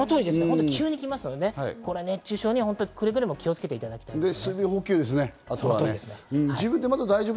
急に来ますので熱中症にはくれぐれも気をつけていただきたいです。